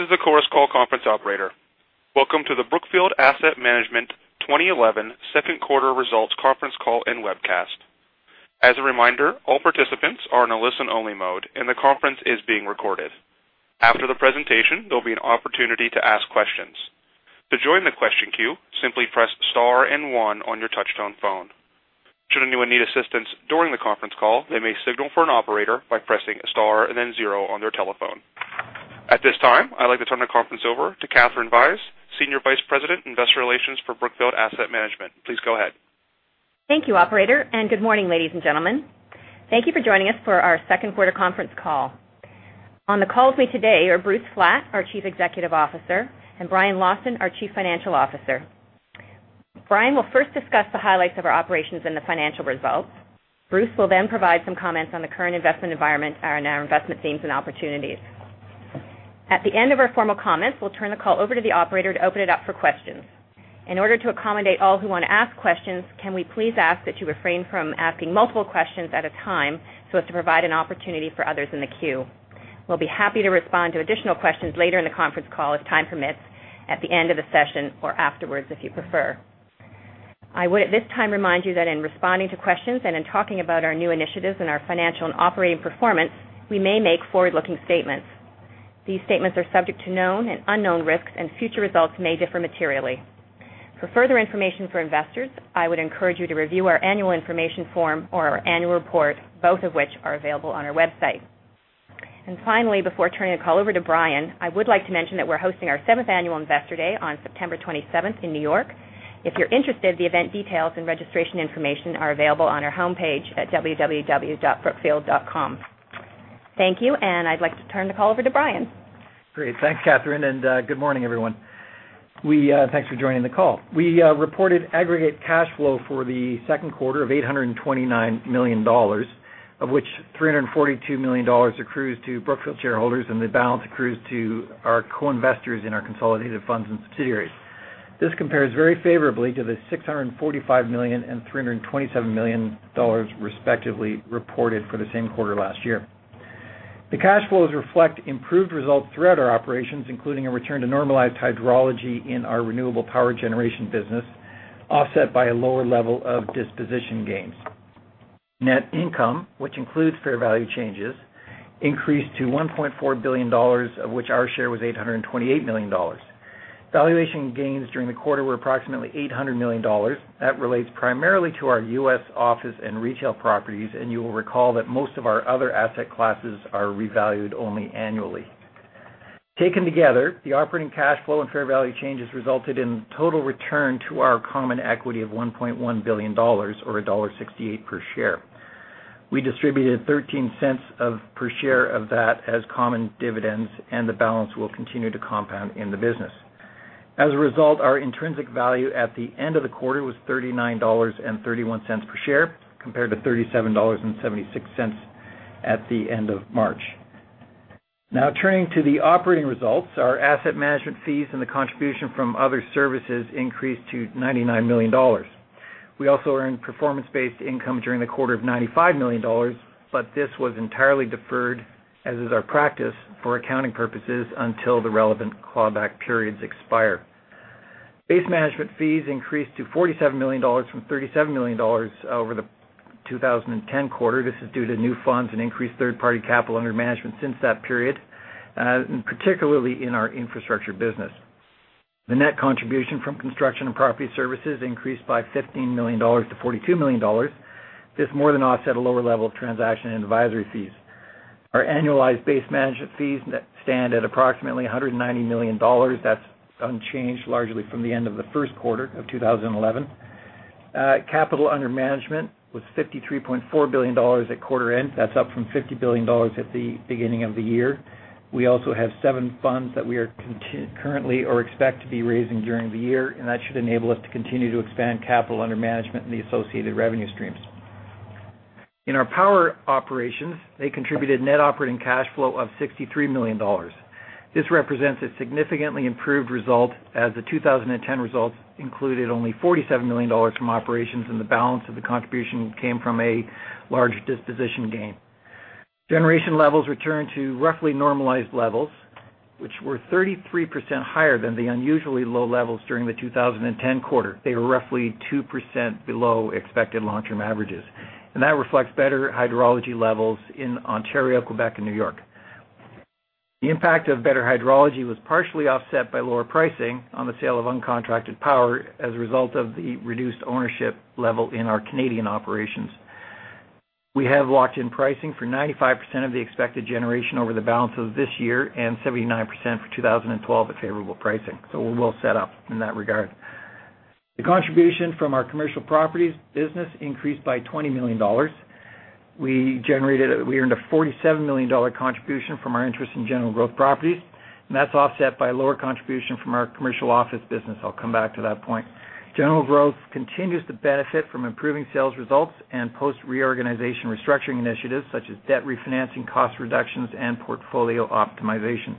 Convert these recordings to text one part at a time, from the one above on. Hello. This is the Chorus Call conference operator. Welcome to the Brookfield Asset Management 2011 second quarter results conference call and webcast. As a reminder, all participants are in a listen-only mode, and the conference is being recorded. After the presentation, there will be an opportunity to ask questions. To join the question queue, simply press star and one on your touch-tone phone. Should anyone need assistance during the conference call, they may signal for an operator by pressing star and then zero on their telephone. At this time, I'd like to turn the conference over to Katherine Vyse, Senior Vice President, Investor Relations for Brookfield Asset Management. Please go ahead. Thank you, operator, and good morning, ladies and gentlemen. Thank you for joining us for our second quarter conference call. On the call with me today are Bruce Flatt, our Chief Executive Officer, and Brian Lawson, our Chief Financial Officer. Brian will first discuss the highlights of our operations and the financial results. Bruce will then provide some comments on the current investment environment and our investment themes and opportunities. At the end of our formal comments, we'll turn the call over to the operator to open it up for questions. In order to accommodate all who want to ask questions, can we please ask that you refrain from asking multiple questions at a time so as to provide an opportunity for others in the queue? We'll be happy to respond to additional questions later in the conference call if time permits, at the end of the session or afterwards if you prefer. I would at this time remind you that in responding to questions and in talking about our new initiatives and our financial and operating performance, we may make forward-looking statements. These statements are subject to known and unknown risks, and future results may differ materially. For further information for investors, I would encourage you to review our annual information form or our annual report, both of which are available on our website. Finally, before turning the call over to Brian, I would like to mention that we're hosting our seventh annual Investor Day on September 27 in New York. If you're interested, the event details and registration information are available on our homepage at www.brookfield.com. Thank you, and I'd like to turn the call over to Brian. Great. Thanks, Katherine, and good morning, everyone. Thanks for joining the call. We reported aggregate cash flow for the second quarter of $829 million, of which $342 million accrues to Brookfield shareholders, and the balance accrues to our co-investors in our consolidated funds and subsidiaries. This compares very favorably to the $645 million and $327 million respectively reported for the same quarter last year. The cash flows reflect improved results throughout our operations, including a return to normalized hydrology in our renewable power generation business, offset by a lower level of disposition gains. Net income, which includes fair value changes, increased to $1.4 billion, of which our share was $828 million. Valuation gains during the quarter were approximately $800 million. That relates primarily to our U.S. office and retail properties, and you will recall that most of our other asset classes are revalued only annually. Taken together, the operating cash flow and fair value changes resulted in a total return to our common equity of $1.1 billion, or $1.68 per share. We distributed $0.13 per share of that as common dividends, and the balance will continue to compound in the business. As a result, our intrinsic value at the end of the quarter was $39.31 per share, compared to $37.76 at the end of March. Now, turning to the operating results, our asset management fees and the contribution from other services increased to $99 million. We also earned performance-based income during the quarter of $95 million, but this was entirely deferred, as is our practice, for accounting purposes until the relevant clawback periods expire. Base management fees increased to $47 million from $37 million over the 2010 quarter. This is due to new funds and increased third-party capital under management since that period, particularly in our infrastructure business. The net contribution from construction and property services increased by $15 million to $42 million. This more than offset a lower level of transaction and advisory fees. Our annualized base management fees stand at approximately $190 million. That's unchanged largely from the end of the first quarter of 2011. Capital under management was $53.4 billion at quarter end. That's up from $50 billion at the beginning of the year. We also have seven funds that we are currently or expect to be raising during the year, and that should enable us to continue to expand capital under management and the associated revenue streams. In our power operations, they contributed net operating cash flow of $63 million. This represents a significantly improved result, as the 2010 results included only $47 million from operations, and the balance of the contribution came from a large disposition gain. Generation levels returned to roughly normalized levels, which were 33% higher than the unusually low levels during the 2010 quarter. They were roughly 2% below expected long-term averages, and that reflects better hydrology levels in Ontario, Quebec, and New York. The impact of better hydrology was partially offset by lower pricing on the sale of uncontracted power as a result of the reduced ownership level in our Canadian operations. We have locked-in pricing for 95% of the expected generation over the balance of this year and 79% for 2012 at favorable pricing. We are well set up in that regard. The contribution from our commercial properties business increased by $20 million. We earned a $47 million contribution from our interest in General Growth Properties, and that's offset by a lower contribution from our commercial office business. I'll come back to that point. General Growth continues to benefit from improving sales results and post-reorganization restructuring initiatives, such as debt refinancing, cost reductions, and portfolio optimization.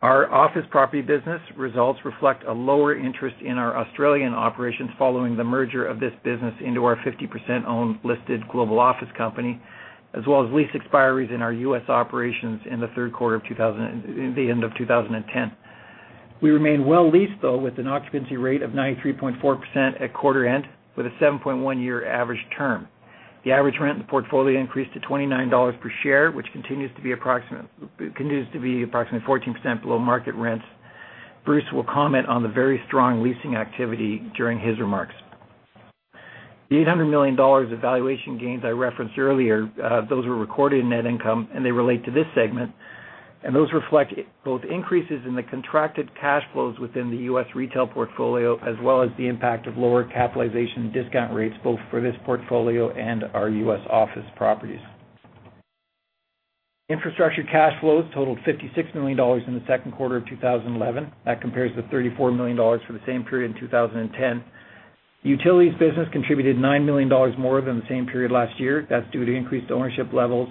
Our office property business results reflect a lower interest in our Australian operations following the merger of this business into our 50% owned listed global office company, as well as lease expiry in our U.S. operations in the third quarter of the end of 2010. We remain well leased, though, with an occupancy rate of 93.4% at quarter end, with a 7.1-year average term. The average rent in the portfolio increased to $29 per share, which continues to be approximately 14% below market rents. Bruce will comment on the very strong leasing activity during his remarks. The $800 million of valuation gains I referenced earlier, those were recorded in net income, and they relate to this segment, and those reflect both increases in the contracted cash flows within the U.S. retail portfolio, as well as the impact of lower capitalization and discount rates, both for this portfolio and our U.S. office properties. Infrastructure cash flows totaled $56 million in the second quarter of 2011. That compares to $34 million for the same period in 2010. The utilities business contributed $9 million more than the same period last year. That's due to increased ownership levels,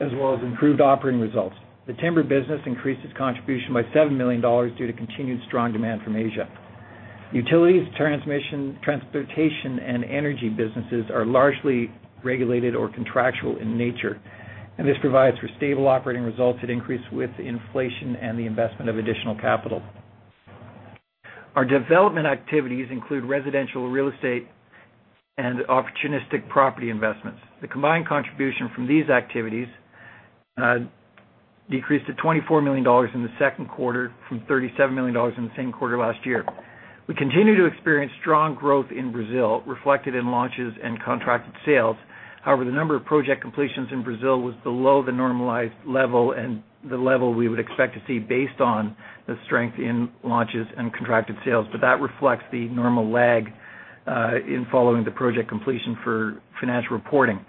as well as improved operating results. The timber business increased its contribution by $7 million due to continued strong demand from Asia. Utilities, transportation, and energy businesses are largely regulated or contractual in nature, and this provides for stable operating results that increase with inflation and the investment of additional capital. Our development activities include residential real estate and opportunistic property investments. The combined contribution from these activities decreased to $24 million in the second quarter from $37 million in the same quarter last year. We continue to experience strong growth in Brazil, reflected in launches and contracted sales. However, the number of project completions in Brazil was below the normalized level and the level we would expect to see based on the strength in launches and contracted sales, but that reflects the normal lag in following the project completion for financial reporting.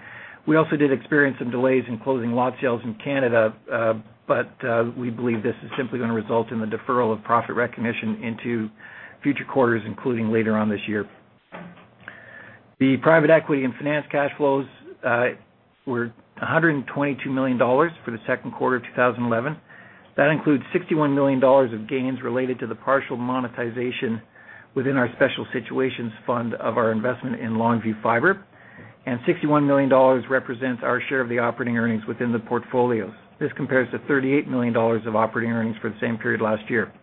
We also did experience some delays in closing lot sales in Canada, but we believe this is simply going to result in the deferral of profit recognition into future quarters, including later on this year. The private equity and finance cash flows were $122 million for the second quarter of 2011. That includes $61 million of gains related to the partial monetization within our special situations fund of our investment in Longview Fiber, and $61 million represents our share of the operating earnings within the portfolios. This compares to $38 million of operating earnings for the same period last year.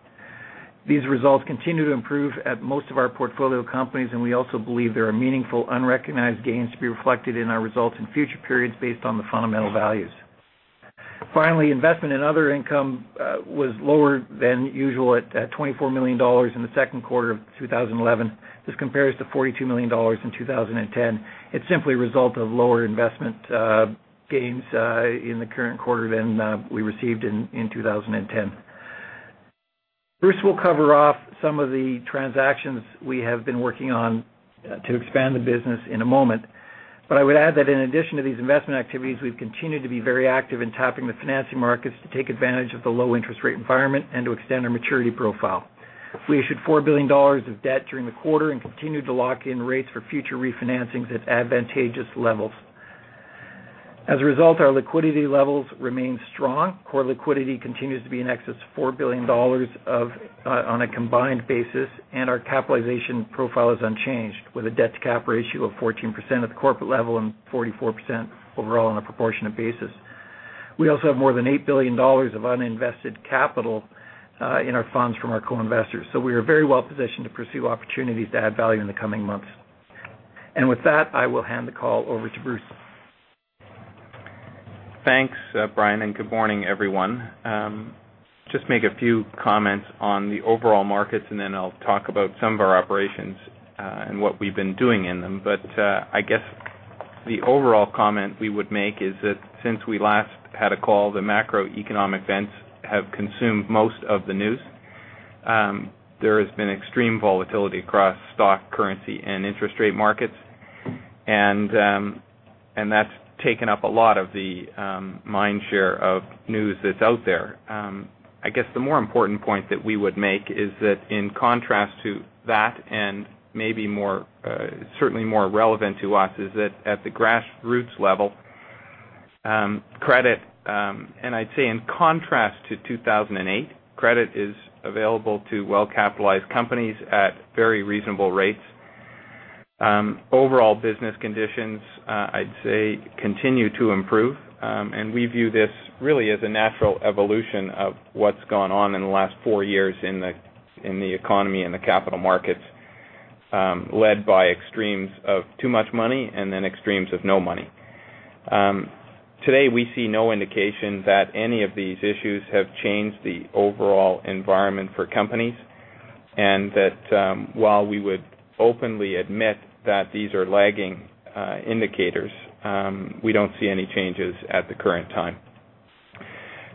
These results continue to improve at most of our portfolio companies, and we also believe there are meaningful unrecognized gains to be reflected in our results in future periods based on the fundamental values. Finally, investment in other income was lower than usual at $24 million in the second quarter of 2011. This compares to $42 million in 2010. It's simply a result of lower investment gains in the current quarter than we received in 2010. Bruce will cover off some of the transactions we have been working on to expand the business in a moment. I would add that in addition to these investment activities, we've continued to be very active in tapping the financing markets to take advantage of the low interest rate environment and to extend our maturity profile. We issued $4 billion of debt during the quarter and continue to lock in rates for future refinancings at advantageous levels. As a result, our liquidity levels remain strong. Core liquidity continues to be in excess of $4 billion on a combined basis, and our capitalization profile is unchanged with a debt-to-cap ratio of 14% at the corporate level and 44% overall on a proportionate basis. We also have more than $8 billion of uninvested capital in our funds from our co-investors. We are very well positioned to pursue opportunities to add value in the coming months. With that, I will hand the call over to Bruce. Thanks, Brian, and good morning, everyone. Just make a few comments on the overall markets, and then I'll talk about some of our operations and what we've been doing in them. I guess the overall comment we would make is that since we last had a call, the macroeconomic events have consumed most of the news. There has been extreme volatility across stock, currency, and interest rate markets, and that's taken up a lot of the mindshare of news that's out there. The more important point that we would make is that in contrast to that, and maybe certainly more relevant to us, is that at the grassroots level, credit, and I'd say in contrast to 2008, credit is available to well-capitalized companies at very reasonable rates. Overall business conditions, I'd say, continue to improve, and we view this really as a natural evolution of what's gone on in the last four years in the economy and the capital markets, led by extremes of too much money and then extremes of no money. Today, we see no indication that any of these issues have changed the overall environment for companies, and while we would openly admit that these are lagging indicators, we don't see any changes at the current time.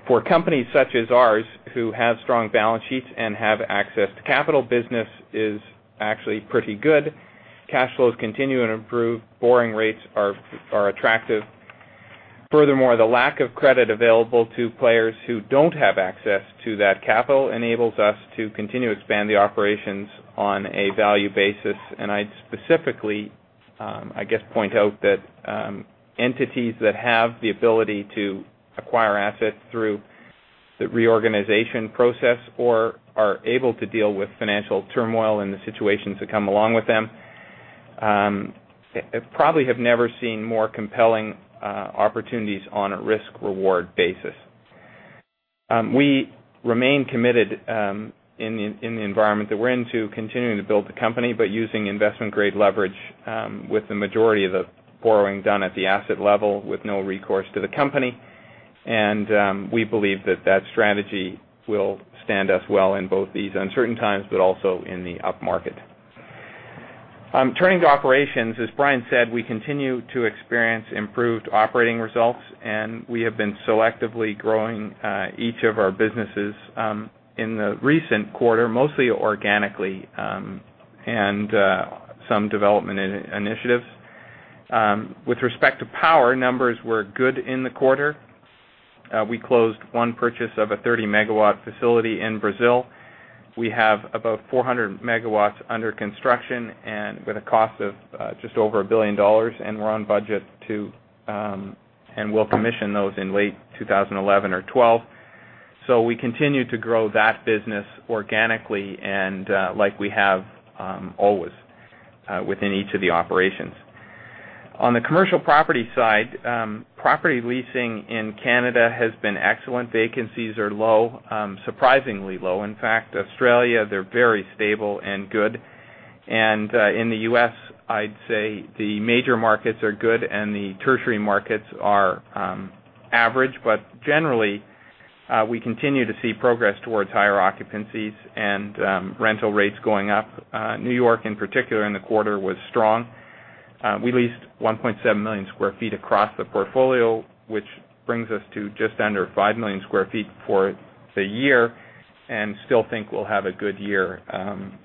For companies such as ours, who have strong balance sheets and have access to capital, business is actually pretty good. Cash flows continue to improve. Boring rates are attractive. Furthermore, the lack of credit available to players who don't have access to that capital enables us to continue to expand the operations on a value basis. I'd specifically, I guess, point out that entities that have the ability to acquire assets through the reorganization process or are able to deal with financial turmoil and the situations that come along with them probably have never seen more compelling opportunities on a risk-reward basis. We remain committed in the environment that we're in to continuing to build the company, but using investment-grade leverage with the majority of the borrowing done at the asset level with no recourse to the company. We believe that that strategy will stand us well in both these uncertain times, but also in the upmarket. Turning to operations, as Brian said, we continue to experience improved operating results, and we have been selectively growing each of our businesses in the recent quarter, mostly organically, and some development initiatives. With respect to power, numbers were good in the quarter. We closed one purchase of a 30 MW facility in Brazil. We have about 400 MW under construction with a cost of just over $1 billion, and we're on budget to and will commission those in late 2011 or 2012. We continue to grow that business organically like we have always within each of the operations. On the commercial property side, property leasing in Canada has been excellent. Vacancies are low, surprisingly low. In fact, in Australia, they're very stable and good. In the U.S., I'd say the major markets are good and the tertiary markets are average, but generally, we continue to see progress towards higher occupancies and rental rates going up. New York, in particular, in the quarter was strong. We leased 1.7 million sq ft across the portfolio, which brings us to just under 5 million sq ft for the year, and still think we'll have a good year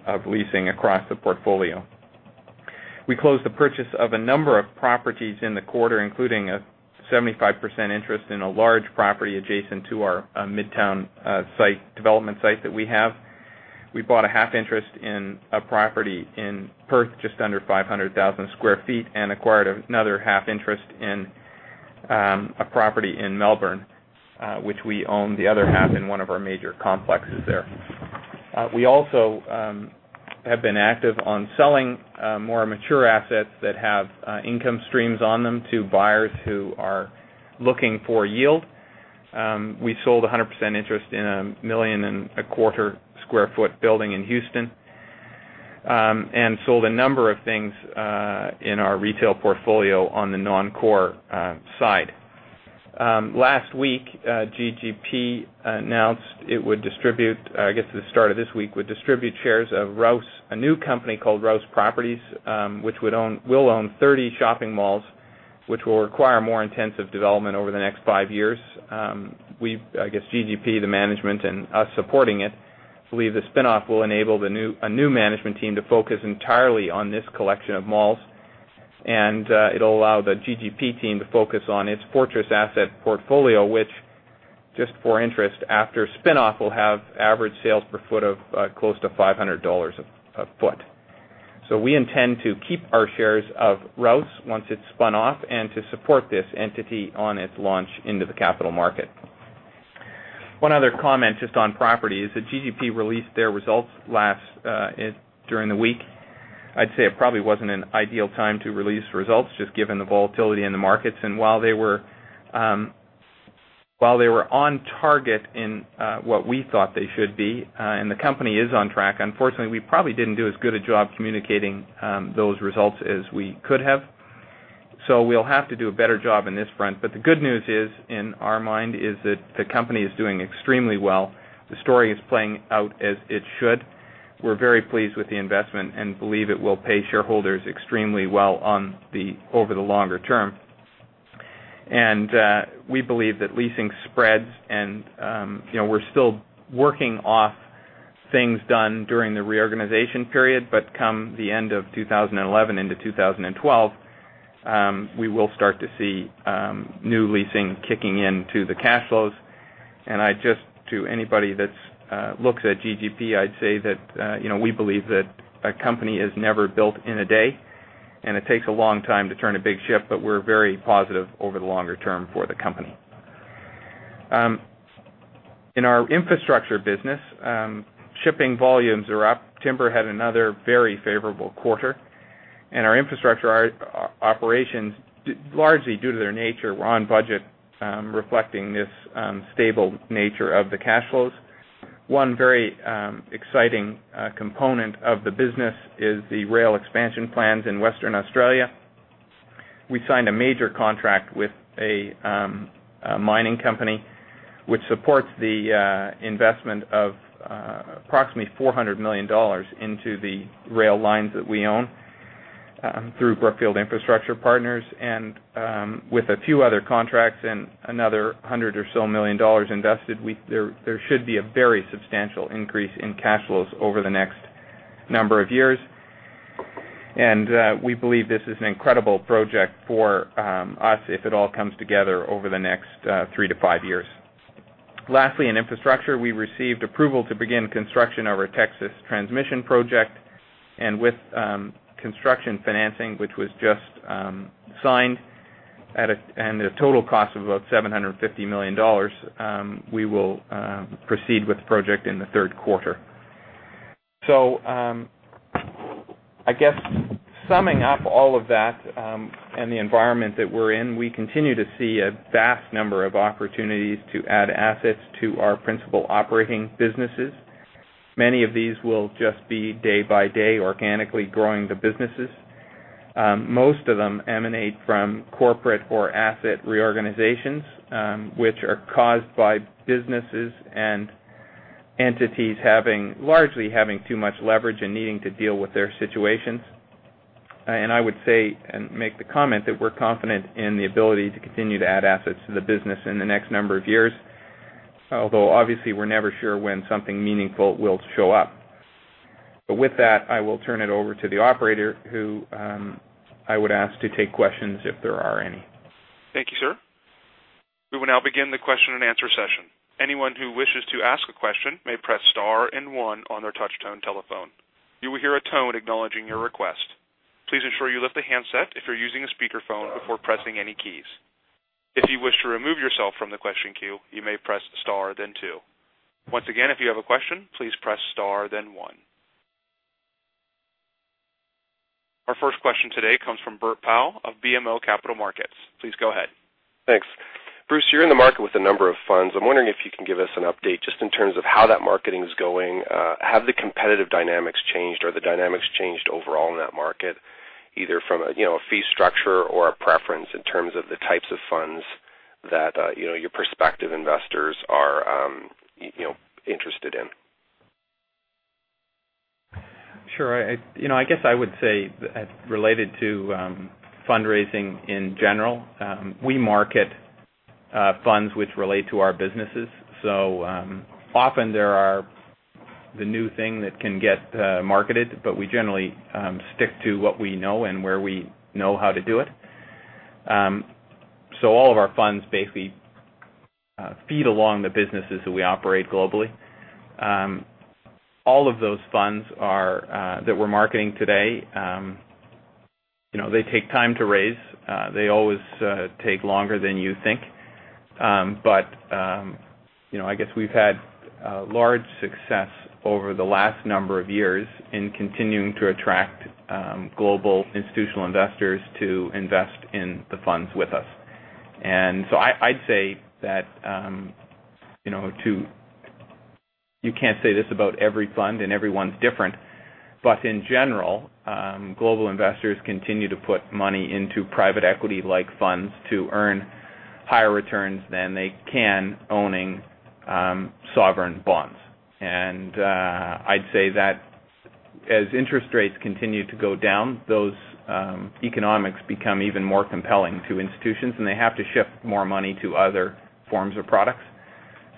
of leasing across the portfolio. We closed the purchase of a number of properties in the quarter, including a 75% interest in a large property adjacent to our midtown development site that we have. We bought a half interest in a property in Perth, just under 500,000 sq ft, and acquired another half interest in a property in Melbourne, which we own the other half in one of our major complexes there. We also have been active on selling more mature assets that have income streams on them to buyers who are looking for yield. We sold 100% interest in a 1,250,000 sq ft building in Houston and sold a number of things in our retail portfolio on the non-core side. Last week, GGP announced it would distribute, I guess at the start of this week, would distribute shares of Rouse, a new company called Rouse Properties, which will own 30 shopping malls, which will require more intensive development over the next five years. I guess GGP, the management, and us supporting it believe the spin-off will enable a new management team to focus entirely on this collection of malls, and it'll allow the GGP team to focus on its Fortress asset portfolio, which, just for interest, after spin-off, will have average sales per foot of close to $500 a foot. We intend to keep our shares of Rouse once it's spun off and to support this entity on its launch into the capital market. One other comment just on properties is that GGP released their results during the week. I'd say it probably wasn't an ideal time to release results, just given the volatility in the markets, and while they were on target in what we thought they should be, and the company is on track, unfortunately, we probably didn't do as good a job communicating those results as we could have. We will have to do a better job on this front, but the good news in our mind is that the company is doing extremely well. The story is playing out as it should. We're very pleased with the investment and believe it will pay shareholders extremely well over the longer term. We believe that leasing spreads, and we're still working off things done during the reorganization period, but come the end of 2011 into 2012, we will start to see new leasing kicking into the cash flows. To anybody that looks at GGP, I'd say that we believe that a company is never built in a day, and it takes a long time to turn a big ship, but we're very positive over the longer term for the company. In our infrastructure business, shipping volumes are up. Timber had another very favorable quarter, and our infrastructure operations, largely due to their nature, were on budget, reflecting this stable nature of the cash flows. One very exciting component of the business is the rail expansion plans in Western Australia. We signed a major contract with a mining company, which supports the investment of approximately $400 million into the rail lines that we own through Brookfield Infrastructure Partners, and with a few other contracts and another $100 million or so invested, there should be a very substantial increase in cash flows over the next number of years. We believe this is an incredible project for us if it all comes together over the next three to five years. Lastly, in infrastructure, we received approval to begin construction of our Texas transmission project, and with construction financing, which was just signed and a total cost of about $750 million, we will proceed with the project in the third quarter. Summing up all of that and the environment that we're in, we continue to see a vast number of opportunities to add assets to our principal operating businesses. Many of these will just be day by day organically growing the businesses. Most of them emanate from corporate or asset reorganizations, which are caused by businesses and entities largely having too much leverage and needing to deal with their situations. I would say and make the comment that we're confident in the ability to continue to add assets to the business in the next number of years, although obviously we're never sure when something meaningful will show up. With that, I will turn it over to the operator, who I would ask to take questions if there are any. Thank you, sir. We will now begin the question and answer session. Anyone who wishes to ask a question may press star and one on their touch-tone telephone. You will hear a tone acknowledging your request. Please ensure you lift the handset if you're using a speakerphone before pressing any keys. If you wish to remove yourself from the question queue, you may press star then two. Once again, if you have a question, please press star then one. Our first question today comes from Bert Powell of BMO Capital Markets. Please go ahead. Thanks. Bruce, you're in the market with a number of funds. I'm wondering if you can give us an update just in terms of how that marketing is going. Have the competitive dynamics changed? Are the dynamics changed overall in that market, either from a fee structure or a preference in terms of the types of funds that your prospective investors are interested in? Sure. I guess I would say related to fundraising in general, we market funds which relate to our businesses. Often there are the new things that can get marketed, but we generally stick to what we know and where we know how to do it. All of our funds basically feed along the businesses that we operate globally. All of those funds that we're marketing today, they take time to raise. They always take longer than you think. I guess we've had large success over the last number of years in continuing to attract global institutional investors to invest in the funds with us. I'd say that you can't say this about every fund, and every one's different, but in general, global investors continue to put money into private equity-like funds to earn higher returns than they can owning sovereign bonds. I'd say that as interest rates continue to go down, those economics become even more compelling to institutions, and they have to shift more money to other forms of products.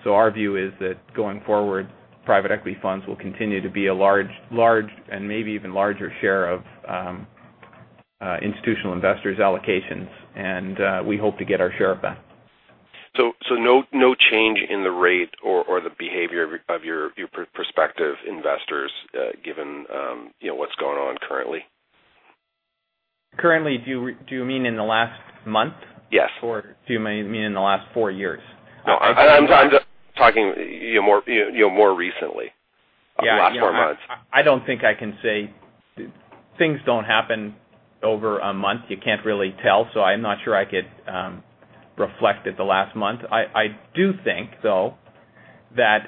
Our view is that going forward, private equity funds will continue to be a large and maybe even larger share of institutional investors' allocations, and we hope to get our share back. there no change in the rate or the behavior of your prospective investors, given what's going on currently? Currently, do you mean in the last month? Yes. Do you mean in the last four years? No, I'm just talking more recently, the last four months. I don't think I can say things don't happen over a month. You can't really tell, so I'm not sure I could reflect at the last month. I do think though that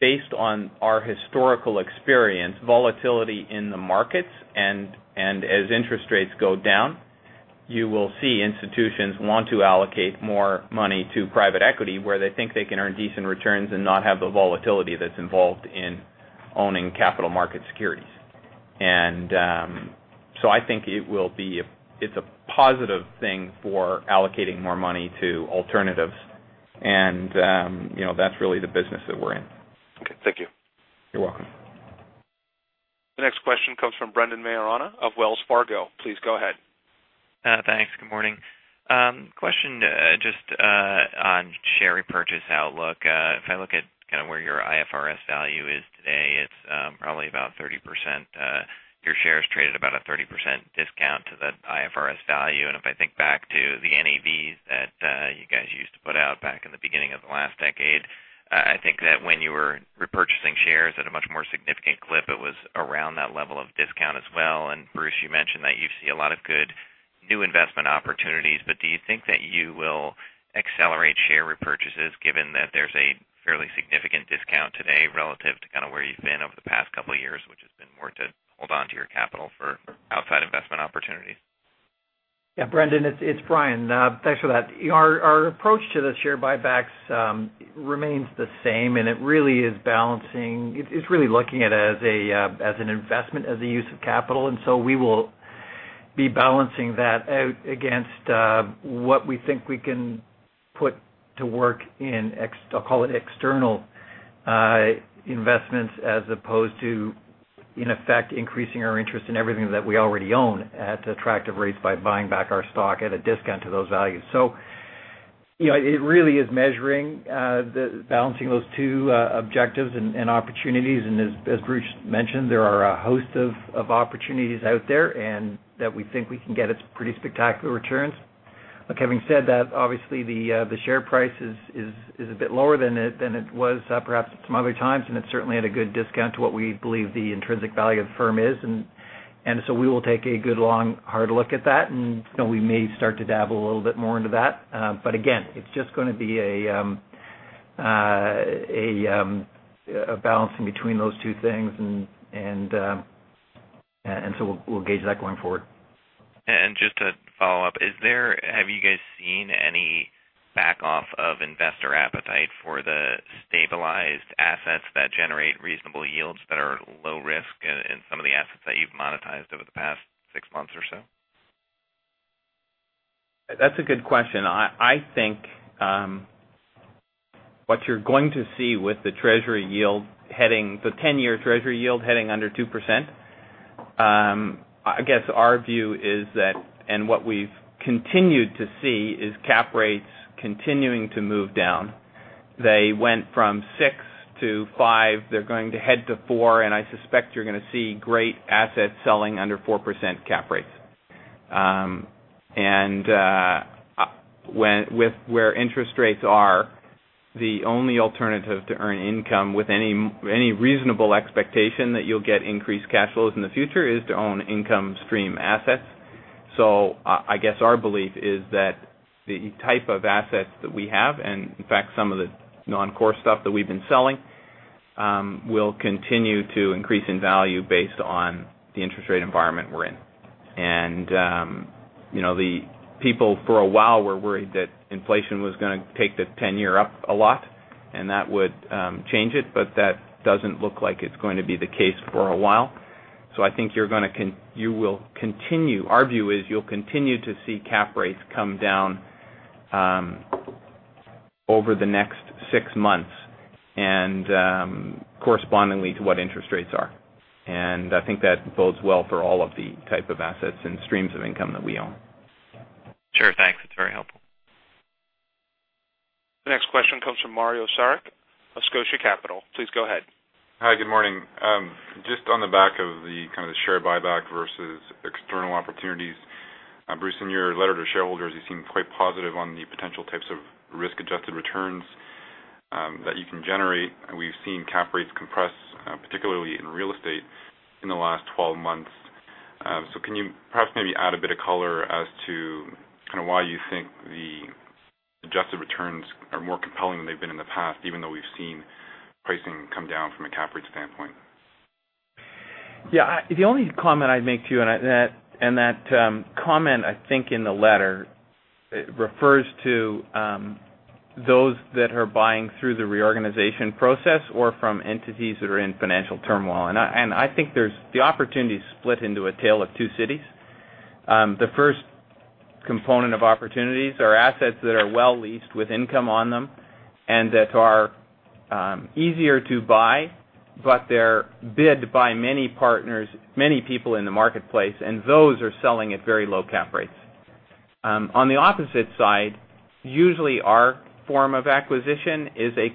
based on our historical experience, volatility in the markets, and as interest rates go down, you will see institutions want to allocate more money to private equity where they think they can earn decent returns and not have the volatility that's involved in owning capital market securities. I think it will be a positive thing for allocating more money to alternatives, and that's really the business that we're in. Okay, thank you. You're welcome. The next question comes from Brendan Maiorana of Wells Fargo. Please go ahead. Thanks. Good morning. Question just on share repurchase outlook. If I look at kind of where your IFRS value is today, it's probably about 30%. Your shares trade at about a 30% discount to the IFRS value. If I think back to the NAVs that you guys used to put out back in the beginning of the last decade, I think that when you were repurchasing shares at a much more significant clip, it was around that level of discount as well. Bruce, you mentioned that you see a lot of good new investment opportunities. Do you think that you will accelerate share repurchases given that there's a fairly significant discount today relative to kind of where you've been over the past couple of years, which has been more to hold onto your capital for outside investment opportunities? Yeah, Brendan, it's Brian. Thanks for that. Our approach to the share buybacks remains the same, and it really is balancing. It's really looking at it as an investment, as a use of capital. We will be balancing that out against what we think we can put to work in, I'll call it external investments, as opposed to, in effect, increasing our interest in everything that we already own at attractive rates by buying back our stock at a discount to those values. It really is measuring the balancing of those two objectives and opportunities. As Bruce mentioned, there are a host of opportunities out there that we think we can get at pretty spectacular returns. Having said that, obviously, the share price is a bit lower than it was perhaps some other times, and it's certainly at a good discount to what we believe the intrinsic value of the firm is. We will take a good, long, hard look at that, and we may start to dabble a little bit more into that. Again, it's just going to be a balancing between those two things, and we'll gauge that going forward. Have you guys seen any back-off of investor appetite for the stabilized assets that generate reasonable yields that are low risk in some of the assets that you've monetized over the past six months or so? That's a good question. I think what you're going to see with the Treasury yield heading, the 10-year Treasury yield heading under 2%, our view is that, and what we've continued to see is cap rates continuing to move down. They went from 6 to 5. They're going to head to 4, and I suspect you're going to see great assets selling under 4% cap rates. With where interest rates are, the only alternative to earn income with any reasonable expectation that you'll get increased cash flows in the future is to own income stream assets. Our belief is that the type of assets that we have, and in fact, some of the non-core stuff that we've been selling, will continue to increase in value based on the interest rate environment we're in. People for a while were worried that inflation was going to take the 10-year up a lot, and that would change it, but that doesn't look like it's going to be the case for a while. I think you will continue, our view is you'll continue to see cap rates come down over the next six months and correspondingly to what interest rates are. I think that bodes well for all of the type of assets and streams of income that we own. Sure, thanks. That's very helpful. The next question comes from Mario Saric of Scotia Capital. Please go ahead. Hi. Good morning. Just on the back of the share buyback versus external opportunities, Bruce, in your letter to shareholders, you seem quite positive on the potential types of risk-adjusted returns that you can generate. We've seen cap rates compress, particularly in real estate, in the last 12 months. Can you perhaps add a bit of color as to why you think the adjusted returns are more compelling than they've been in the past, even though we've seen pricing come down from a cap rate standpoint? Yeah. The only comment I'd make to you, and that comment I think in the letter refers to those that are buying through the reorganization process or from entities that are in financial turmoil. I think the opportunities split into a tale of two cities. The first component of opportunities are assets that are well leased with income on them and that are easier to buy, but they're bid by many partners, many people in the marketplace, and those are selling at very low cap rates. On the opposite side, usually our form of acquisition is a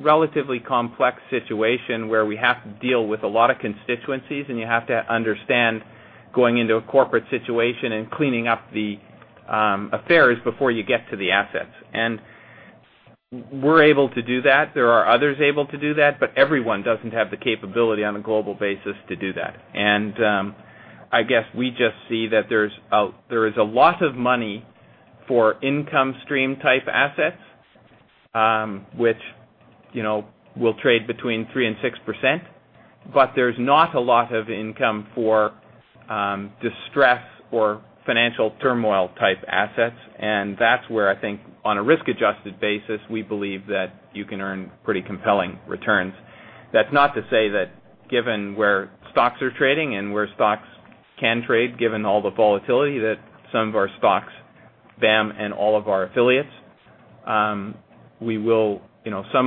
relatively complex situation where we have to deal with a lot of constituencies, and you have to understand going into a corporate situation and cleaning up the affairs before you get to the assets. We're able to do that. There are others able to do that, but everyone doesn't have the capability on a global basis to do that. I guess we just see that there is a lot of money for income stream type assets, which will trade between 3% and 6%, but there's not a lot of income for distressed or financial turmoil type assets. That's where I think on a risk-adjusted basis we believe that you can earn pretty compelling returns. That's not to say that given where stocks are trading and where stocks can trade, given all the volatility that some of our stocks bear and all of our affiliates, some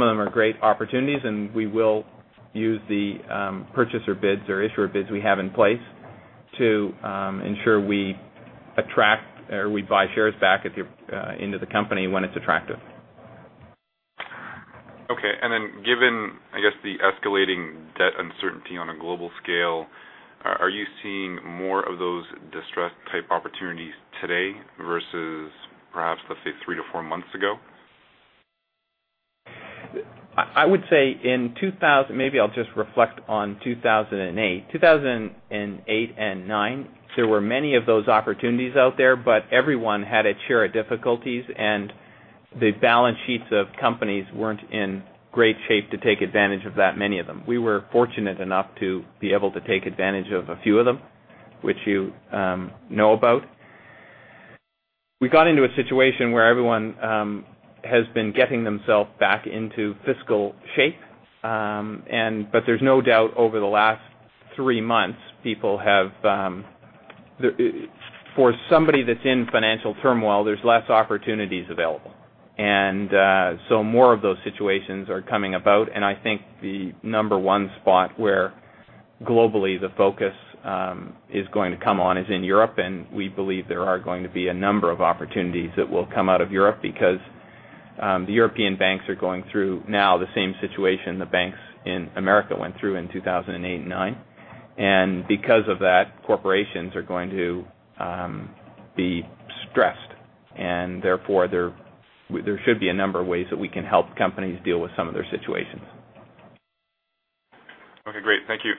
of them are great opportunities, and we will use the purchaser bids or issuer bids we have in place to ensure we attract or we buy shares back into the company when it's attractive. Okay. Given, I guess, the escalating debt uncertainty on a global scale, are you seeing more of those distressed type opportunities today versus perhaps, let's say, three to four months ago? I would say in 2000, maybe I'll just reflect on 2008. 2008 and 2009, there were many of those opportunities out there, but everyone had its share of difficulties, and the balance sheets of companies weren't in great shape to take advantage of that, many of them. We were fortunate enough to be able to take advantage of a few of them, which you know about. We got into a situation where everyone has been getting themselves back into fiscal shape, but there's no doubt over the last three months, for somebody that's in financial turmoil, there's less opportunities available. More of those situations are coming about, and I think the number one spot where globally the focus is going to come on is in Europe. We believe there are going to be a number of opportunities that will come out of Europe because the European banks are going through now the same situation the banks in the U.S. went through in 2008 and 2009. Because of that, corporations are going to be stressed, and therefore there should be a number of ways that we can help companies deal with some of their situations. Okay, great. Thank you.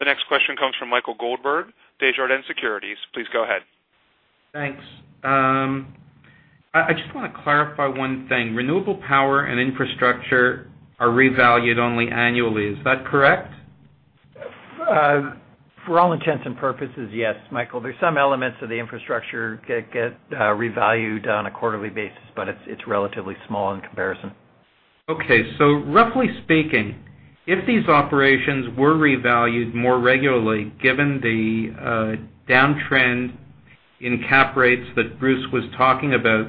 The next question comes from Michael Goldberg of Desjardins Securities. Please go ahead. Thanks. I just want to clarify one thing. Renewable power and infrastructure are revalued only annually. Is that correct? For all intents and purposes, yes, Michael. There's some elements of the infrastructure that get revalued on a quarterly basis, but it's relatively small in comparison. Okay. Roughly speaking, if these operations were revalued more regularly, given the downtrend in cap rates that Bruce was talking about,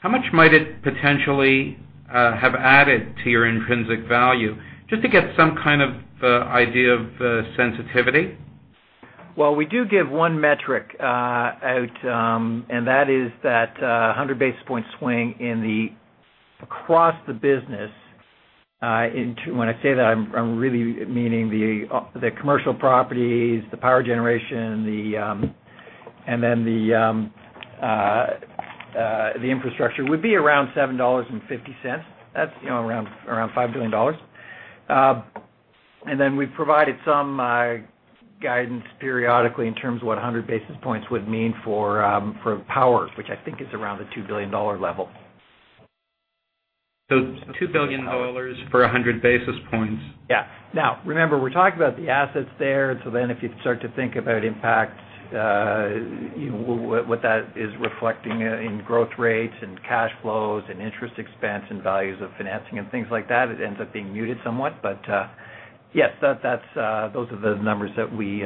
how much might it potentially have added to your intrinsic value? Just to get some kind of idea of sensitivity. We do give one metric out, and that is that 100 basis points swing across the business. When I say that, I'm really meaning the commercial properties, the power generation, and then the infrastructure would be around $7.50. That's around $5 billion. We provided some guidance periodically in terms of what 100 basis points would mean for power, which I think is around the $2 billion level. $2 billion for 100 basis points. Yeah. Now, remember, we're talking about the assets there, and if you start to think about impact, what that is reflecting in growth rates and cash flows and interest expense and values of financing and things like that, it ends up being muted somewhat. Yes, those are the numbers that we,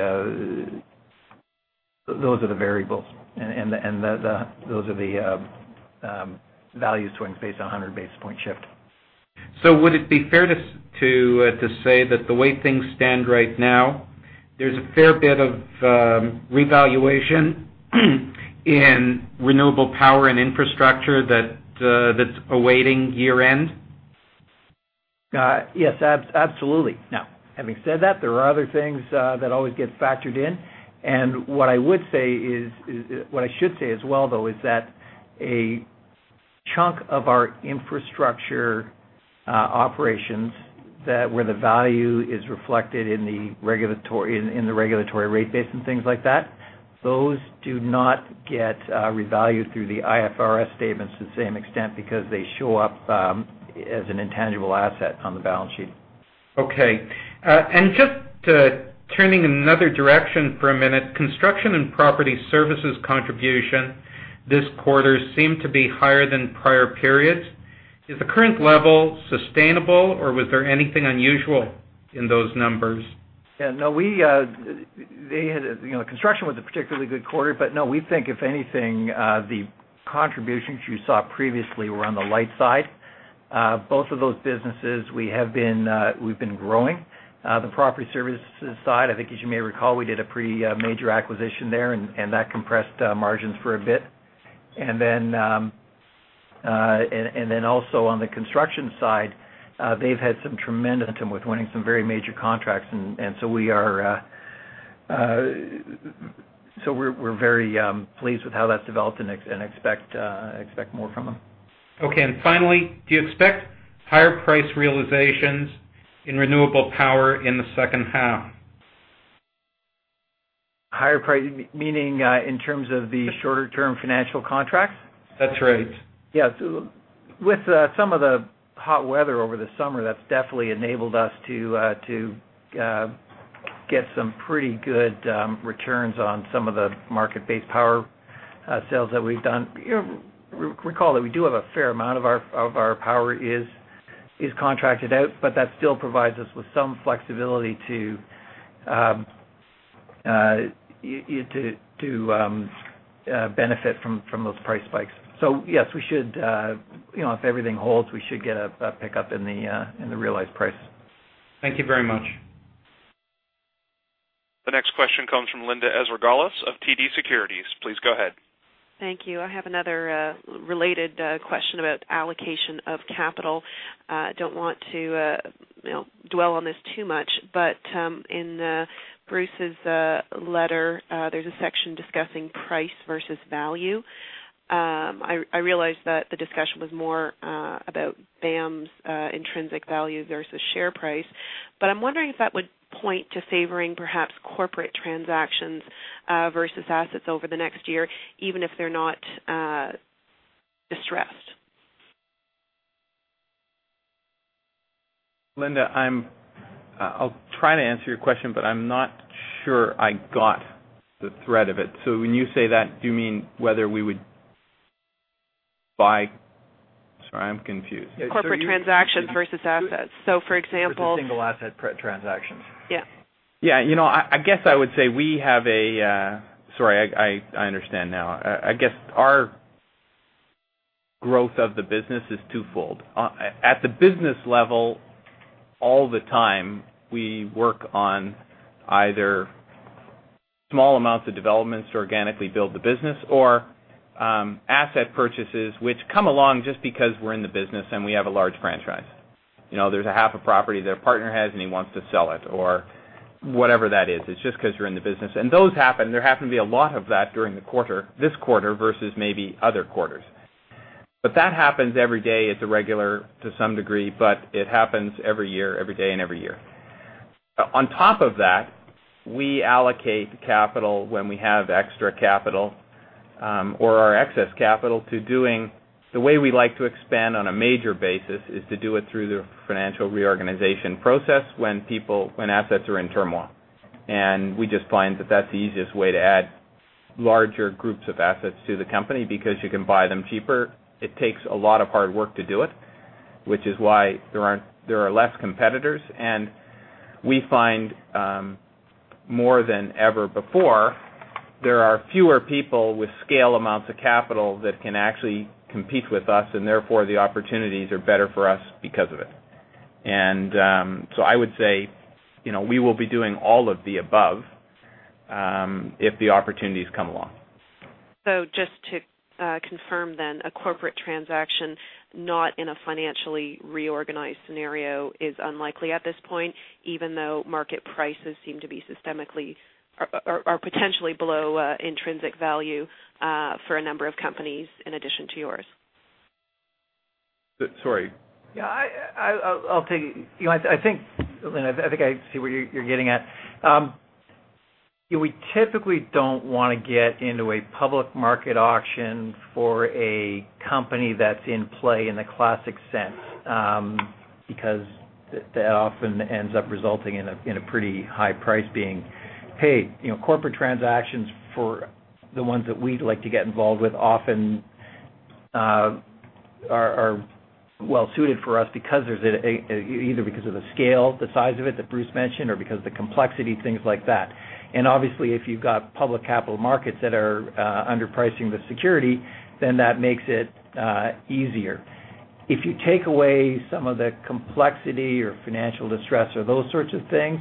those are the variables, and those are the values to what's based on 100 basis point shift. Would it be fair to say that the way things stand right now, there's a fair bit of revaluation in renewable power and infrastructure that's awaiting year-end? Yes, absolutely. Now, having said that, there are other things that always get factored in. What I would say is, what I should say as well, though, is that a chunk of our infrastructure operations where the value is reflected in the regulatory rate base and things like that do not get revalued through the IFRS statements to the same extent because they show up as an intangible asset on the balance sheet. Okay. Just turning another direction for a minute, construction and property services contribution this quarter seemed to be higher than prior periods. Is the current level sustainable, or was there anything unusual in those numbers? Yeah. No, construction was a particularly good quarter, but we think if anything, the contributions you saw previously were on the light side. Both of those businesses we have been growing. The property services side, I think as you may recall, we did a pretty major acquisition there, and that compressed margins for a bit. Also, on the construction side, they've had some tremendous momentum with winning some very major contracts, and we're very pleased with how that's developed and expect more from them. Do you expect higher price realizations in renewable power in the second half? Higher price, meaning in terms of the shorter-term financial contracts? That's right. Yeah. With some of the hot weather over the summer, that's definitely enabled us to get some pretty good returns on some of the market-based power sales that we've done. Recall that we do have a fair amount of our power is contracted out, but that still provides us with some flexibility to benefit from those price spikes. Yes, we should, if everything holds, we should get a pickup in the realized price. Thank you very much. The next question comes from Linda Ezergailis of TD Securities. Please go ahead. Thank you. I have another related question about allocation of capital. I don't want to dwell on this too much, but in Bruce's letter, there's a section discussing price versus value. I realize that the discussion was more about BAM's intrinsic value versus share price, but I'm wondering if that would point to favoring perhaps corporate transactions versus assets over the next year, even if they're not distressed. Linda, I'll try to answer your question, but I'm not sure I got the thread of it. When you say that, do you mean whether we would buy? Sorry, I'm confused. Corporate transactions versus assets, for example. Single asset transactions. Yeah. Yeah. I guess I would say we have a, I understand now. I guess our growth of the business is twofold. At the business level, all the time, we work on either small amounts of developments to organically build the business or asset purchases, which come along just because we're in the business and we have a large franchise. You know, there's a half a property that a partner has and he wants to sell it or whatever that is. It's just because you're in the business. Those happen. There happened to be a lot of that during the quarter, this quarter versus maybe other quarters. That happens every day. It's irregular to some degree, but it happens every year, every day, and every year. On top of that, we allocate the capital when we have extra capital or our excess capital to doing the way we like to expand on a major basis is to do it through the financial reorganization process when assets are in turmoil. We just find that that's the easiest way to add larger groups of assets to the company because you can buy them cheaper. It takes a lot of hard work to do it, which is why there are less competitors. We find more than ever before, there are fewer people with scale amounts of capital that can actually compete with us, and therefore the opportunities are better for us because of it. I would say we will be doing all of the above if the opportunities come along. Just to confirm then, a corporate transaction not in a financially reorganized scenario is unlikely at this point, even though market prices seem to be systemically or potentially below intrinsic value for a number of companies in addition to yours. Sorry. Yeah, I'll take it. I think I see what you're getting at. We typically don't want to get into a public market auction for a company that's in play in the classic sense because that often ends up resulting in a pretty high price being paid. Corporate transactions for the ones that we like to get involved with often are well suited for us either because of the scale, the size of it that Bruce mentioned, or because of the complexity, things like that. Obviously, if you've got public capital markets that are underpricing the security, then that makes it easier. If you take away some of the complexity or financial distress or those sorts of things,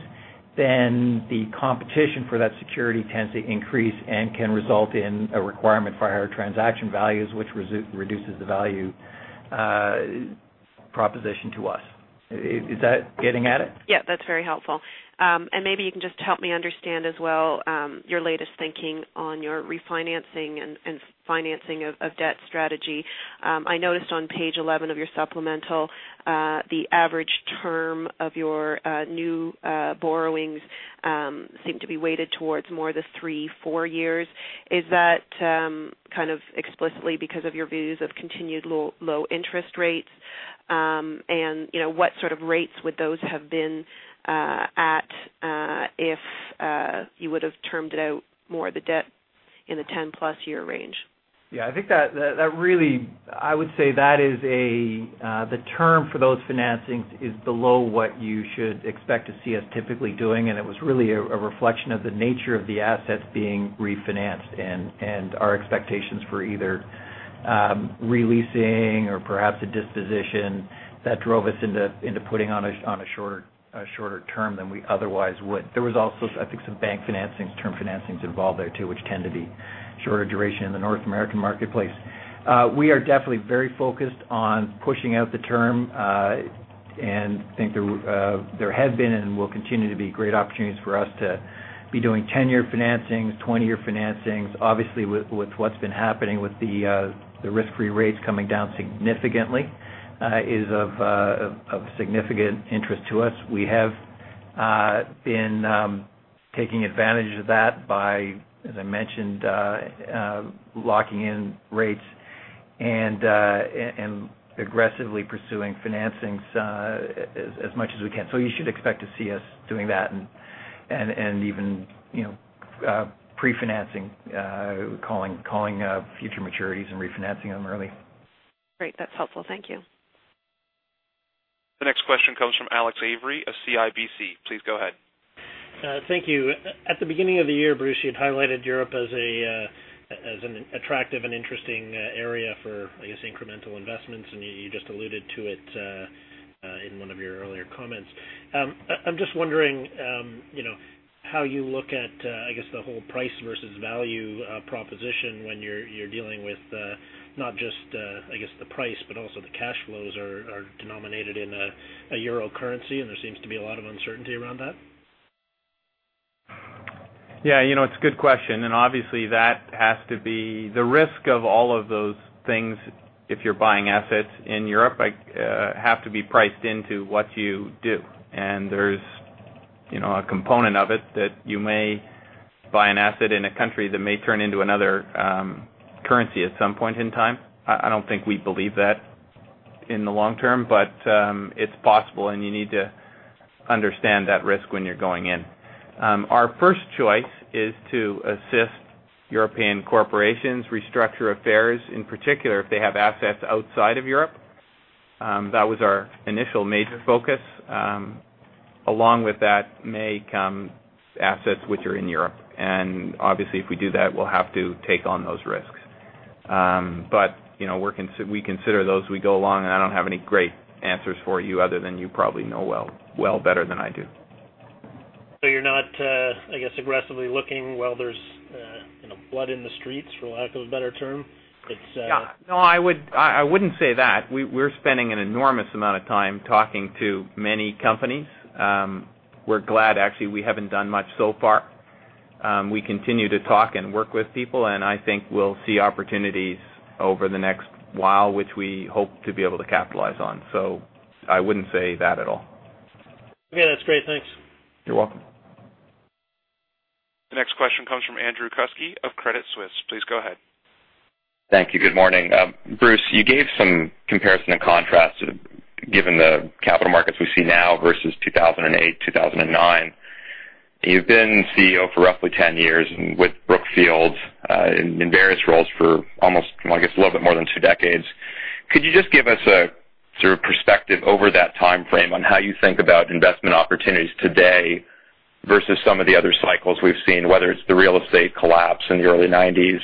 the competition for that security tends to increase and can result in a requirement for higher transaction values, which reduces the value proposition to us. Is that getting at it? Yeah, that's very helpful. Maybe you can just help me understand as well your latest thinking on your refinancing and financing of debt strategy. I noticed on page 11 of your supplemental, the average term of your new borrowings seemed to be weighted towards more of the three, four years. Is that kind of explicitly because of your views of continued low interest rates? What sort of rates would those have been at if you would have termed it out more of the debt in the 10+ year range? I think that really, I would say that the term for those financings is below what you should expect to see us typically doing, and it was really a reflection of the nature of the assets being refinanced and our expectations for either releasing or perhaps a disposition that drove us into putting on a shorter term than we otherwise would. There was also, I think, some bank financings, term financings involved there too, which tend to be shorter duration in the North American marketplace. We are definitely very focused on pushing out the term, and I think there have been and will continue to be great opportunities for us to be doing 10-year financings, 20-year financings. Obviously, with what's been happening with the risk-free rates coming down significantly, it is of significant interest to us. We have been taking advantage of that by, as I mentioned, locking in rates and aggressively pursuing financings as much as we can. You should expect to see us doing that and even pre-financing, calling future maturities and refinancing them early. Great. That's helpful. Thank you. The next question comes from Alex Avery of CIBC. Please go ahead. Thank you. At the beginning of the year, Bruce, you had highlighted Europe as an attractive and interesting area for incremental investments, and you just alluded to it in one of your earlier comments. I'm just wondering how you look at the whole price versus value proposition when you're dealing with not just the price, but also the cash flows are denominated in a euro currency, and there seems to be a lot of uncertainty around that. Yeah, you know, it's a good question. Obviously, that has to be the risk of all of those things if you're buying assets in Europe, have to be priced into what you do. There's a component of it that you may buy an asset in a country that may turn into another currency at some point in time. I don't think we believe that in the long term, but it's possible, and you need to understand that risk when you're going in. Our first choice is to assist European corporations restructure affairs, in particular, if they have assets outside of Europe. That was our initial major focus. Along with that may come assets which are in Europe. Obviously, if we do that, we'll have to take on those risks. We consider those as we go along, and I don't have any great answers for you other than you probably know well better than I do. You're not, I guess, aggressively looking while there's blood in the streets, for lack of a better term? No, I wouldn't say that. We're spending an enormous amount of time talking to many companies. We're glad, actually, we haven't done much so far. We continue to talk and work with people, and I think we'll see opportunities over the next while, which we hope to be able to capitalize on. I wouldn't say that at all. Okay, that's great. Thanks. You're welcome. The next question comes from Andrew Willis of Credit Suisse. Please go ahead. Thank you. Good morning. Bruce, you gave some comparison and contrast given the capital markets we see now versus 2008, 2009. You've been CEO for roughly 10 years and with Brookfield in various roles for almost, I guess, a little bit more than two decades. Could you just give us a sort of perspective over that timeframe on how you think about investment opportunities today versus some of the other cycles we've seen, whether it's the real estate collapse in the early 1990s,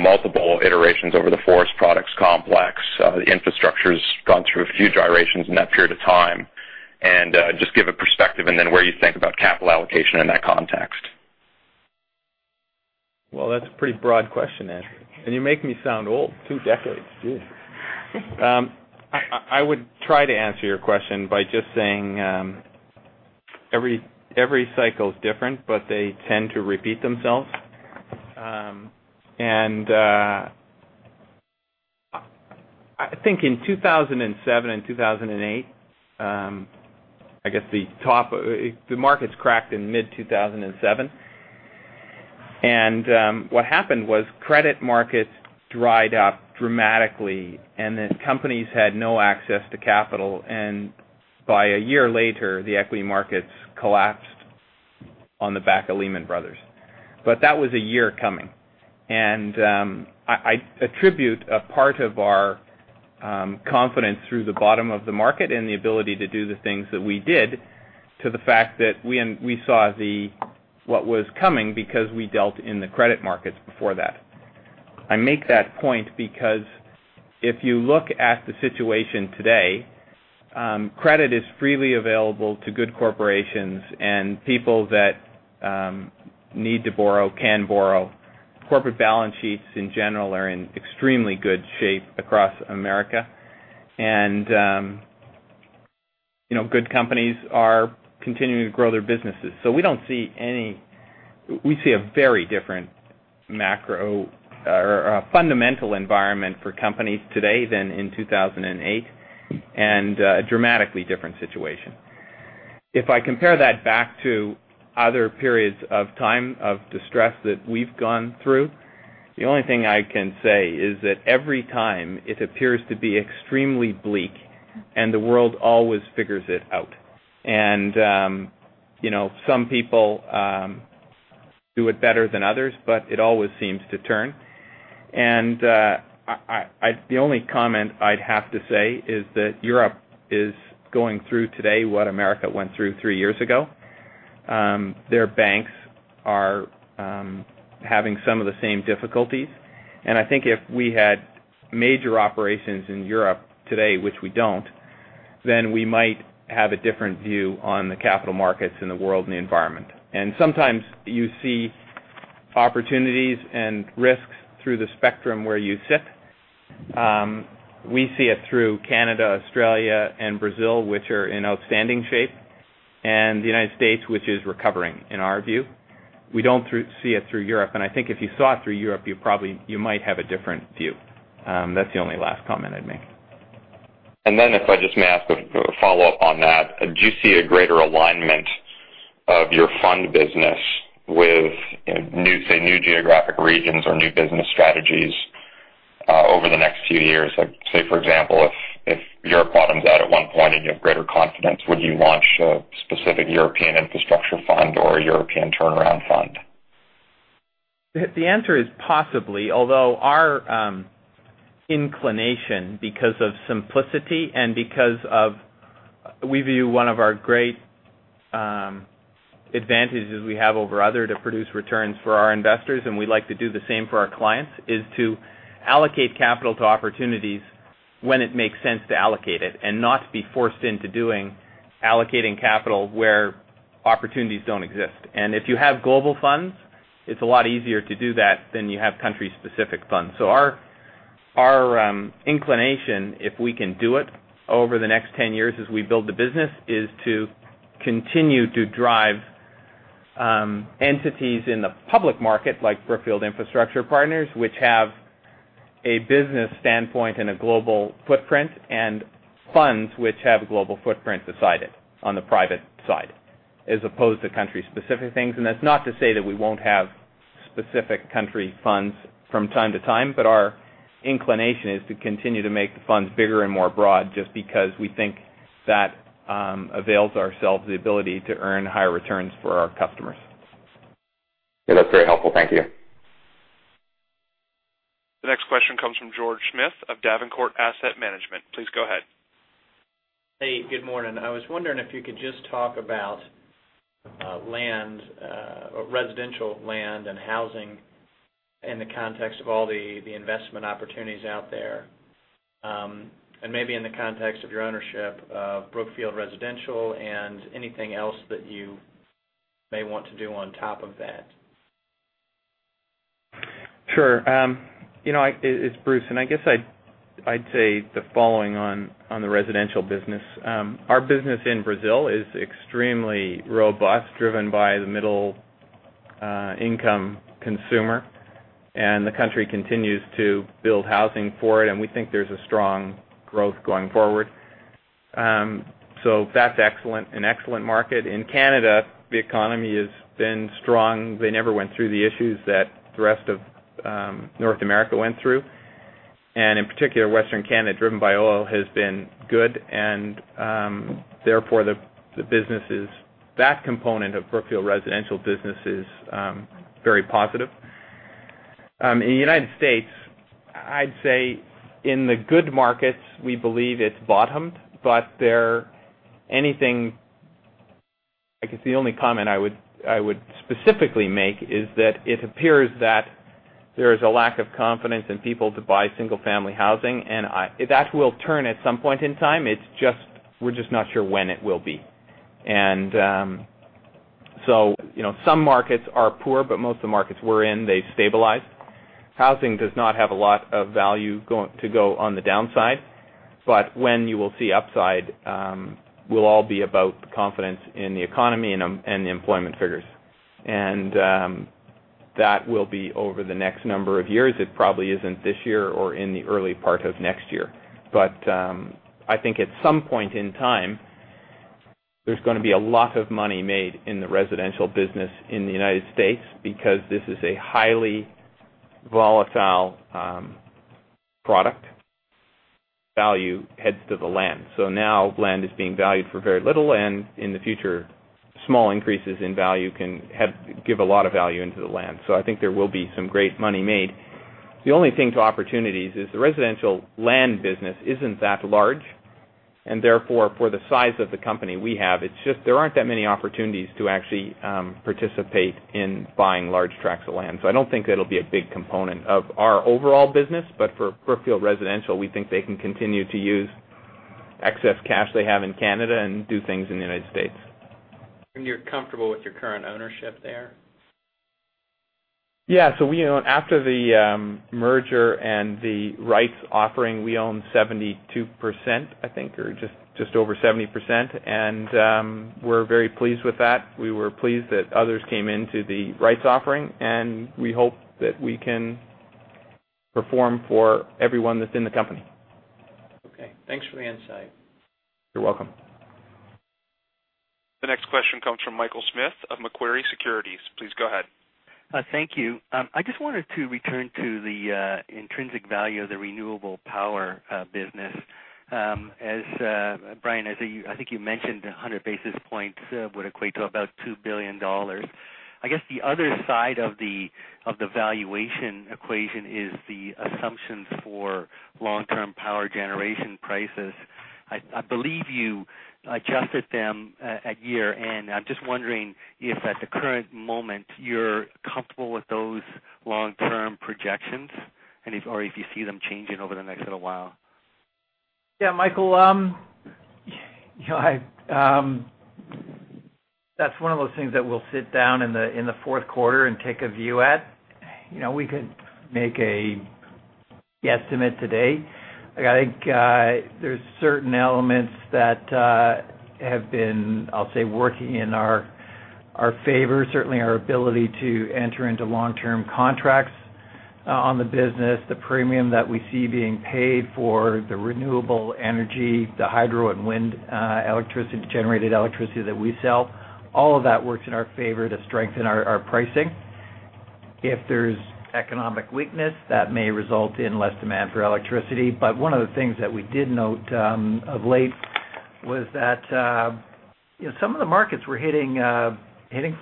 multiple iterations over the Forest Products Complex, the infrastructure's gone through a few gyrations in that period of time, and just give a perspective and then where you think about capital allocation in that context. That's a pretty broad question, Ed. You make me sound old. Two decades, geez. I would try to answer your question by just saying every cycle is different, but they tend to repeat themselves. I think in 2007 and 2008, I guess the markets cracked in mid-2007, and what happened was credit markets dried up dramatically, and the companies had no access to capital. By a year later, the equity markets collapsed on the back of Lehman Brothers. That was a year coming. I attribute a part of our confidence through the bottom of the market and the ability to do the things that we did to the fact that we saw what was coming because we dealt in the credit markets before that. I make that point because if you look at the situation today, credit is freely available to good corporations, and people that need to borrow can borrow. Corporate balance sheets in general are in extremely good shape across America, and good companies are continuing to grow their businesses. We see a very different macro or a fundamental environment for companies today than in 2008 and a dramatically different situation. If I compare that back to other periods of time of distress that we've gone through, the only thing I can say is that every time it appears to be extremely bleak, and the world always figures it out. Some people do it better than others, but it always seems to turn. The only comment I'd have to say is that Europe is going through today what America went through three years ago Their banks are having some of the same difficulties. I think if we had major operations in Europe today, which we don't, then we might have a different view on the capital markets and the world and the environment. Sometimes you see opportunities and risks through the spectrum where you sit. We see it through Canada, Australia, and Brazil, which are in outstanding shape, and the United States, which is recovering in our view. We don't see it through Europe, and I think if you saw it through Europe, you might have a different view. That's the only last comment I'd make. If I may ask a follow-up on that, do you see a greater alignment of your fund business with new, say, new geographic regions or new business strategies over the next few years? For example, if Europe bottoms out at one point and you have greater confidence, would you launch a specific European infrastructure fund or a European turnaround fund? The answer is possibly, although our inclination because of simplicity and because we view one of our great advantages we have over others to produce returns for our investors, and we'd like to do the same for our clients, is to allocate capital to opportunities when it makes sense to allocate it and not be forced into allocating capital where opportunities don't exist. If you have global funds, it's a lot easier to do that than if you have country-specific funds. Our inclination, if we can do it over the next 10 years as we build the business, is to continue to drive entities in the public market like Brookfield Infrastructure Partners, which have a business standpoint and a global footprint, and funds which have global footprints aside on the private side, as opposed to country-specific things. That's not to say that we won't have specific country funds from time to time, but our inclination is to continue to make the funds bigger and more broad just because we think that avails ourselves the ability to earn higher returns for our customers. Yeah, that's very helpful. Thank you. The next question comes from George Smith of Davenport Asset Management. Please go ahead. Hey, good morning. I was wondering if you could just talk about residential land and housing in the context of all the investment opportunities out there, and maybe in the context of your ownership of Brookfield Residential and anything else that you may want to do on top of that. Sure. You know, it's Bruce, and I guess I'd say the following on the residential business. Our business in Brazil is extremely robust, driven by the middle-income consumer, and the country continues to build housing for it, and we think there's a strong growth going forward. That's an excellent market. In Canada, the economy has been strong. They never went through the issues that the rest of North America went through. In particular, Western Canada, driven by oil, has been good, and therefore, the business is that component of Brookfield Residential business is very positive. In the U.S., I'd say in the good markets, we believe it's bottomed, but the only comment I would specifically make is that it appears that there is a lack of confidence in people to buy single-family housing, and that will turn at some point in time. We're just not sure when it will be. Some markets are poor, but most of the markets we're in, they've stabilized. Housing does not have a lot of value to go on the downside, but when you will see upside, it'll all be about the confidence in the economy and the employment figures. That will be over the next number of years. It probably isn't this year or in the early part of next year. I think at some point in time, there's going to be a lot of money made in the residential business in the U.S. because this is a highly volatile product. Value heads to the land. Now land is being valued for very little, and in the future, small increases in value can give a lot of value into the land. I think there will be some great money made. The only thing to opportunities is the residential land business isn't that large, and therefore, for the size of the company we have, there just aren't that many opportunities to actually participate in buying large tracts of land. I don't think that'll be a big component of our overall business, but for Brookfield Residential, we think they can continue to use excess cash they have in Canada and do things in the U.S. Are you comfortable with your current ownership there? After the merger and the rights offering, we own 72%, I think, or just over 70%, and we're very pleased with that. We were pleased that others came into the rights offering, and we hope that we can perform for everyone that's in the company. Okay, thanks for the insight. You're welcome. The next question comes from Michael Smith of Macquarie Securities. Please go ahead. Thank you. I just wanted to return to the intrinsic value of the renewable power business. Brian, I think you mentioned 100 basis points would equate to about $2 billion. I guess the other side of the valuation equation is the assumptions for long-term power generation prices. I believe you jumped at them at year-end. I'm just wondering if at the current moment you're comfortable with those long-term projections or if you see them changing over the next little while. Yeah, Michael, that's one of those things that we'll sit down in the fourth quarter and take a view at. You know, we could make an estimate today. I think there's certain elements that have been, I'll say, working in our favor, certainly our ability to enter into long-term contracts on the business, the premium that we see being paid for the renewable energy, the hydro and wind generated electricity that we sell. All of that works in our favor to strengthen our pricing. If there's economic weakness, that may result in less demand for electricity. One of the things that we did note of late was that some of the markets were hitting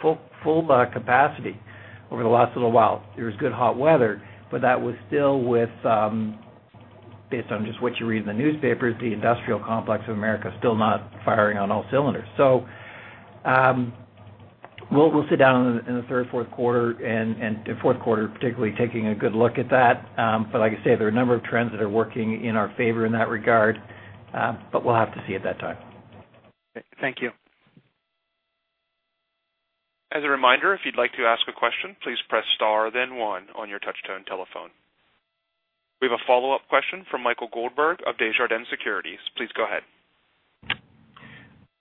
full capacity over the last little while. There was good hot weather, but that was still with, based on just what you read in the newspapers, the industrial complex of America still not firing on all cylinders. We'll sit down in the third and fourth quarter, and the fourth quarter particularly, taking a good look at that. Like I say, there are a number of trends that are working in our favor in that regard, but we'll have to see at that time. Thank you. As a reminder, if you'd like to ask a question, please press star, then one, on your touch-tone telephone. We have a follow-up question from Michael Goldberg of Desjardins Securities. Please go ahead.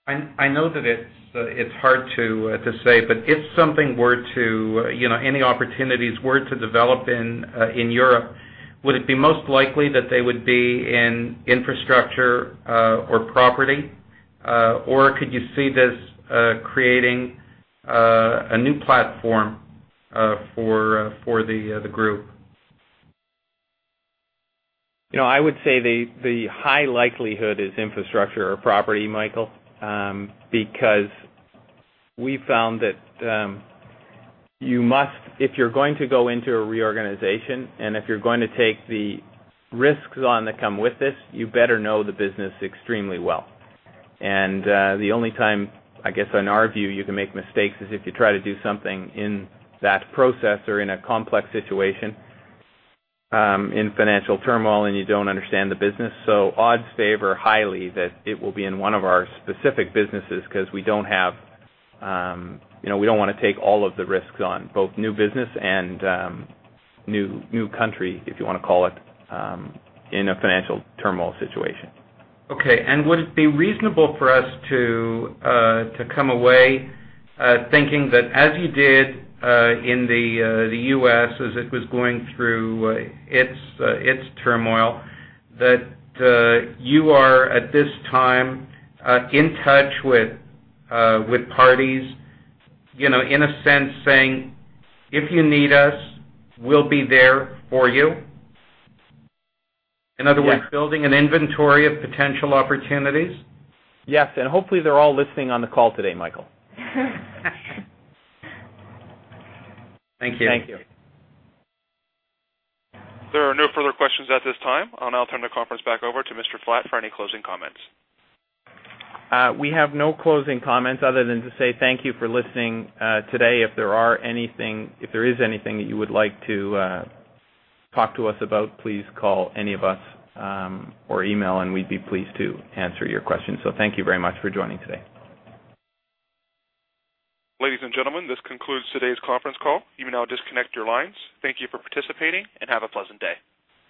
I know that it's hard to say, but if something were to, you know, any opportunities were to develop in Europe, would it be most likely that they would be in infrastructure or property, or could you see this creating a new platform for the group? I would say the high likelihood is infrastructure or property, Michael, because we found that you must, if you're going to go into a reorganization, and if you're going to take the risks on that come with this, you better know the business extremely well. The only time, I guess, in our view, you can make mistakes is if you try to do something in that process or in a complex situation in financial turmoil and you don't understand the business. Odds favor highly that it will be in one of our specific businesses because we don't want to take all of the risks on, both new business and new country, if you want to call it, in a financial turmoil situation. Okay. Would it be reasonable for us to come away thinking that, as you did in the U.S. as it was going through its turmoil, you are at this time in touch with parties, in a sense saying, "If you need us, we'll be there for you"? In other words, building an inventory of potential opportunities? Yes. Hopefully, they're all listening on the call today, Michael. Thank you. Thank you. There are no further questions at this time. I'll now turn the conference back over to Mr. Flatt for any closing comments. We have no closing comments other than to say thank you for listening today. If there is anything that you would like to talk to us about, please call any of us or email, and we'd be pleased to answer your questions. Thank you very much for joining today. Ladies and gentlemen, this concludes today's conference call. You may now disconnect your lines. Thank you for participating, and have a pleasant day.